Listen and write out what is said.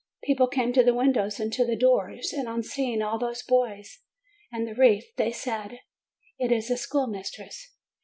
People came to the windows and to the doors, and on seeing all those boys, and the wreath, they said, "It is a schoolmistress."